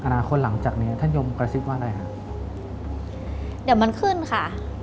อนาคตหลังจากนี้ท่านยมกระซิบว่าอะไรคะ